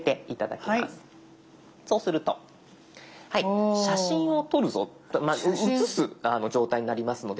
そうすると写真を撮るぞうつす状態になりますので。